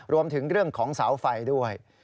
รวมถึงเรื่องของเสาไฟด้วย